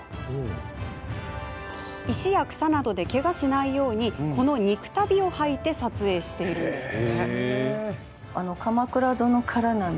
石や草などで、けがしないようにこの肉足袋を履いて撮影しているんです。